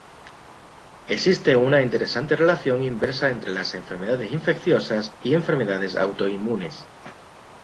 Existe una interesante relación inversa entre las enfermedades infecciosas y las enfermedades autoinmunes.